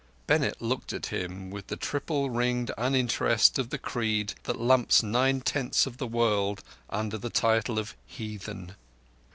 Bennett looked at him with the triple ringed uninterest of the creed that lumps nine tenths of the world under the title of "heathen".